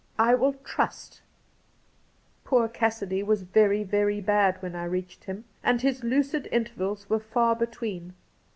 I will trust !' Poor Cassidy was very, very bad when I reached him, and his lucid intervals were far between.